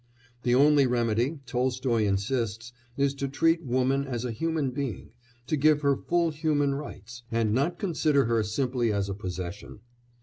The only remedy, Tolstoy insists, is to treat woman as a human being, to give her full human rights, and not consider her simply as a possession.